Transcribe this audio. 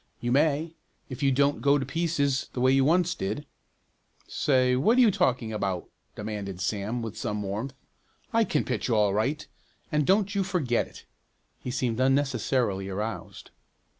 "You may if you don't go to pieces the way you once did." "Say, what you talking about?" demanded Sam, with some warmth. "I can pitch all right, and don't you forget it." He seemed unnecessarily aroused.